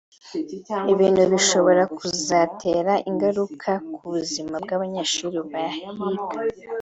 ibintu bishobora kuzatera ingaruka ku buzima bw’abanyeshuri bahiga